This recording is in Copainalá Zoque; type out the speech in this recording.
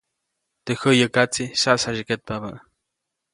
Teʼ jäyäkatsiʼ saʼsyade ketpabä.